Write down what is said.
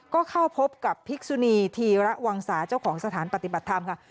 ก็เข้าพบกับพิกษุนีธีระวังสาเจ้าของสถานปฏิบัติธรรมค่ะ